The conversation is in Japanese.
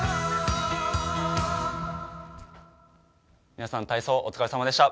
皆さん体操お疲れさまでした。